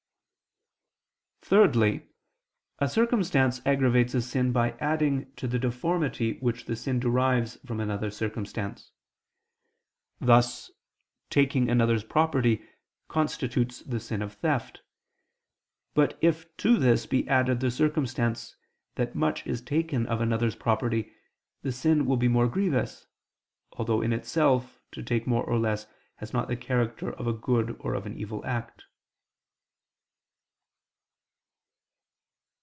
Thirdly, a circumstance aggravates a sin by adding to the deformity which the sin derives from another circumstance: thus, taking another's property constitutes the sin of theft; but if to this be added the circumstance that much is taken of another's property, the sin will be more grievous; although in itself, to take more or less has not the character of a good or of an evil act.